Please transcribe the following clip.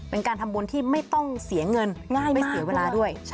เป็นการทำบุญที่ไม่ต้องเสียเงินง่ายไม่เสียเวลาด้วย